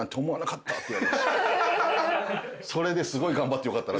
それですごい頑張ってよかった。